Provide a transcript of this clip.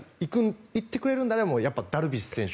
行ってくれるのであればダルビッシュ選手。